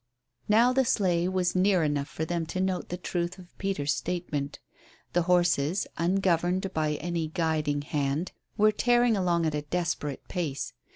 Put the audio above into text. Now the sleigh was near enough for them to note the truth of Peter's statement. The horses, ungoverned by any guiding hand, were tearing along at a desperate pace.